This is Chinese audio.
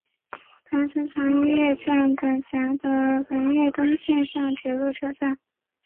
磐城常叶站管辖的磐越东线上的铁路车站。